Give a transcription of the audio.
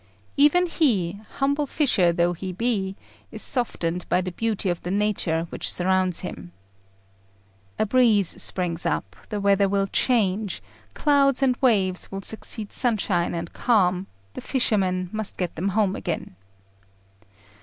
Even he, humble fisher though he be, is softened by the beauty of the nature which surrounds him. A breeze springs up, the weather will change; clouds and waves will succeed sunshine and calm; the fishermen must get them home again.